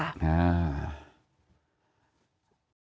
สวัสดีครับ